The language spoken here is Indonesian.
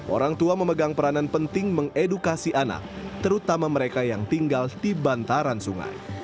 orang tua memegang peranan penting mengedukasi anak terutama mereka yang tinggal di bantaran sungai